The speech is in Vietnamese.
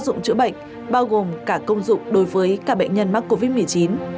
dụng chữa bệnh bao gồm cả công dụng đối với cả bệnh nhân mắc covid một mươi chín